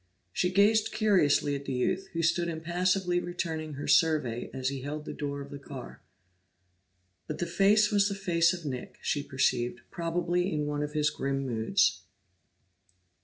She gazed curiously at the youth, who stood impassively returning her survey as he held the door of the car. But the face was the face of Nick, she perceived, probably in one of his grim moods.